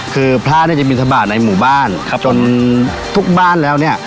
คือพระเนี่ยจะบินทบาทในหมู่บ้านครับจนทุกบ้านแล้วเนี่ย